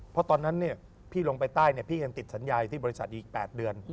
เพราะตอนนั้นพี่ลงไปใต้พี่ยังติดสัญญาณที่บริษัทอีก๘เดือน